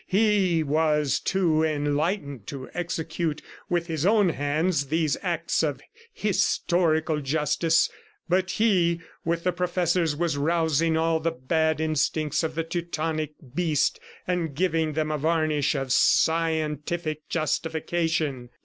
He was too enlightened to execute with his own hands these acts of "historical justice," but he, with the professors, was rousing all the bad instincts of the Teutonic beast and giving them a varnish of scientific justification.